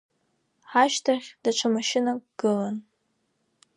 Ҳашьҭахь даҽа машьынак гылан.